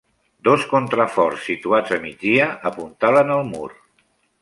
Dos contraforts situats a migdia apuntalen el mur.